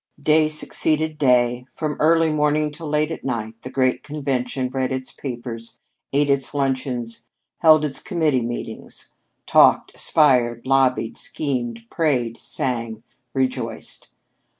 Day succeeded day. From early morning till late at night the great convention read its papers, ate its luncheons, held its committee meetings talked, aspired, lobbied, schemed, prayed, sang, rejoiced!